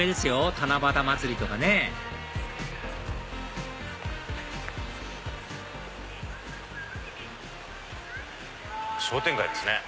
七夕まつりとかね商店街ですね。